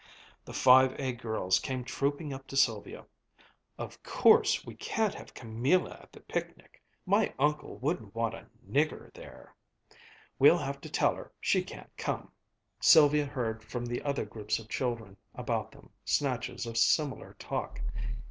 The Five A girls came trooping up to Sylvia. "Of course we can't have Camilla at the picnic." "My uncle wouldn't want a nigger there." "We'll have to tell her she can't come." Sylvia heard from the other groups of children about them snatches of similar talk.